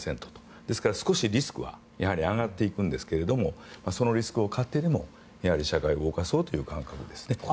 ですから、少しリスクは上がっていくんですがそのリスクを買ってでもやはり社会を動かそうという動きですね。